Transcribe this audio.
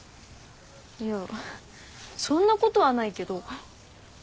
いやそんなことはないけど。